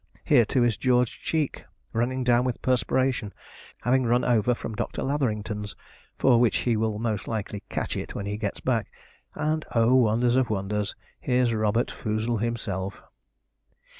Here, too, is George Cheek, running down with perspiration, having run over from Dr. Latherington's, for which he will most likely 'catch it' when he gets back; and oh, wonder of wonders, here's Robert Foozle himself!